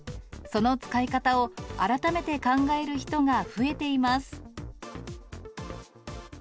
その使い方を改めて考える人が増えています。